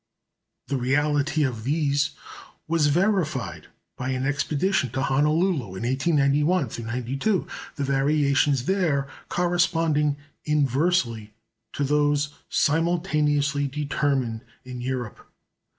The reality of these was verified by an expedition to Honolulu in 1891 92, the variations there corresponding inversely to those simultaneously determined in Europe.